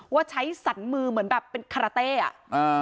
ว่าใช้สันมือเหมือนแบบเป็นคาราเต้อ่ะอ่า